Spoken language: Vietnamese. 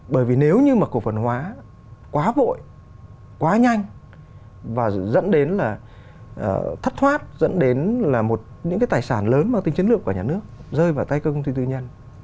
bởi vì nếu như mà cổ phần hóa quá vội quá nhanh và dẫn đến là thất thoát dẫn đến là một những cái tài sản lớn mang tính chiến lược của nhà nước rơi vào tay các công ty tư nhân